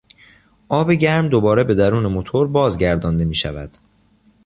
آب گرم دوباره به درون موتور بازگردانده میشود.